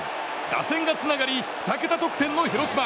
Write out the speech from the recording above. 打線がつながり２桁得点の広島。